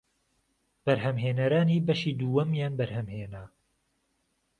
بەرهەمهێنەرانی بەشی دووەمیان بەرهەمهێنا